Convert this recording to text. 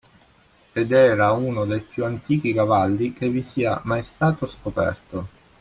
Ed era uno dei più antichi cavalli che vi sia mai stato scoperto.